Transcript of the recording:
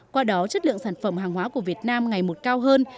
qua đó chất lượng sản phẩm hàng hóa của việt nam ngày một cao hơn